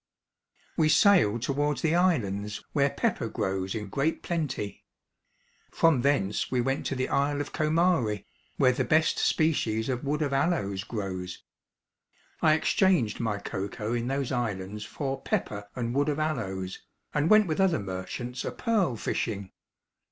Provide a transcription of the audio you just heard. We sailed towards the islands, where pepper grows in great plenty. From thence we went to the isle of Comari, where the best species of wood of aloes grows. I exchanged my cocoa in those islands for pepper and wood of aloes, and went with other merchants a pearl fishing.